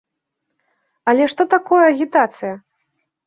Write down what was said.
Але што такое агітацыя?